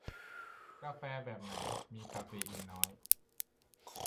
กาแฟแบบไหนมีคาเฟอีนน้อย